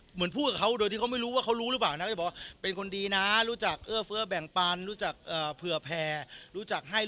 เหมือนพูดกับเขาโดยที่เขาไม่รู้ว่าเขารู้หรือเปล่านะ